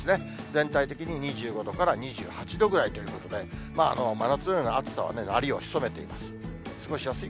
全体的に２５度から２８度ぐらいということで、真夏のような暑さはなりを潜めています。